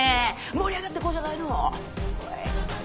盛り上がっていこうじゃないの！